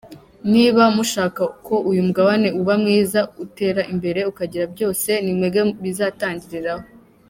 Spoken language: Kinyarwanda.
Niba mushaka ko uyu mugabane uba mwiza, utera imbere ukagira byose, ni mwebwe bizatangiriraho.